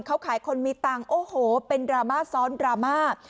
เขาขายคนมีตังค์โอ้โหเป็นดราม่าซ้อนดราม่า